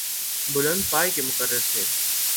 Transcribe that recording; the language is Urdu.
بلند پائے کے مقرر تھے۔